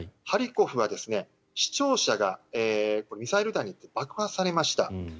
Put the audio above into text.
ハリコフは市庁舎がミサイル弾に爆破されました。